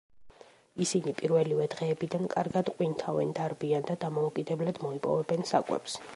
ისინი პირველივე დღეებიდან კარგად ყვინთავენ, დარბიან და დამოუკიდებლად მოიპოვებენ საკვებს.